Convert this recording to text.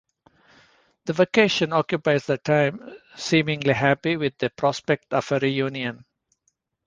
The vacation occupies their time, seemingly happy with the prospect of a reunion.